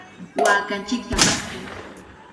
¡Waakanchikta paskay!